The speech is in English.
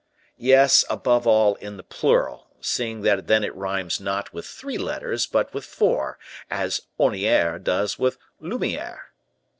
"Yes, above all in the plural, seeing that then it rhymes not with three letters, but with four; as orniere does with lumiere."